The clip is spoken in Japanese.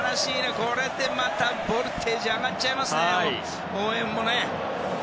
これでまたボルテージ上がっちゃいますね応援もね。